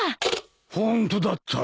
ホントだったろ？